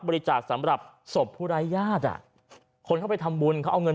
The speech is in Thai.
สำหรับศพผู้ร้ายญาติอ่ะคนเข้าไปทำบุญเขาเอาเงิน